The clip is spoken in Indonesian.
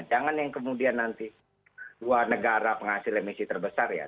jangan yang kemudian nanti dua negara penghasil emisi terbesar ya